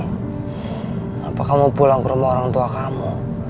kenapa kamu pulang ke rumah orang tua kamu